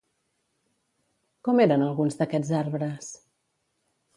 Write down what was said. Com eren alguns d'aquests arbres?